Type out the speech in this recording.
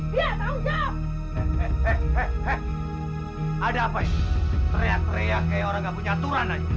dia harus bertolong jawab